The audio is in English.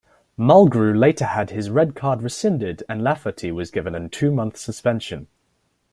Mulgrew later had his red card rescinded and Lafferty was given a two-month suspension.